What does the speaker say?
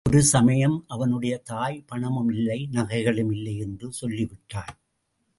ஒரு சமயம் அவனுடைய தாய், பணமும் இல்லை, நகைகளும் இல்லை என்று சொல்லிவிட்டாள்.